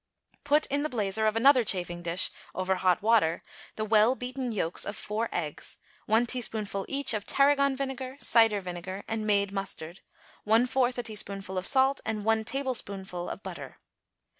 Put in the blazer of another chafing dish, over hot water, the well beaten yolks of four eggs, one teaspoonful, each, of tarragon vinegar, cider vinegar and made mustard, one fourth a teaspoonful of salt and one tablespoonful of butter.